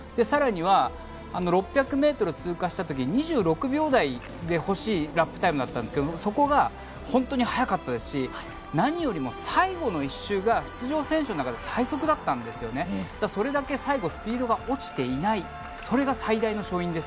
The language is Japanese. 更には６００ｍを通過した時２６秒台で欲しいラップタイムだったんですがそこが本当に速かったですし何よりも最後の１周が出場選手の中で最速だったんですそれだけ最後、スピードが落ちていない。